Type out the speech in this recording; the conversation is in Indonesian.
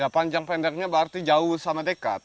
panjang pendeknya berarti jauh sama dekat